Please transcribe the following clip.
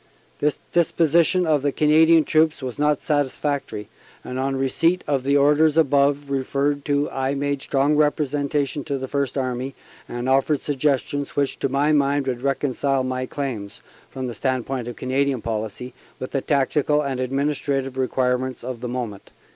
This disposition of the Canadian troops was not satisfactory, and on receipt of the orders above referred to I made strong representation to First Army, and offered suggestions which to my mind would reconcile my claims (from the standpoint of Canadian policy) with the tactical and administrative requirements of the moment."